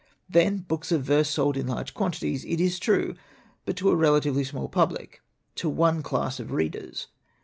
Then books of verse sold in large quantities, it is true, but to a relatively small public, to one class of readers.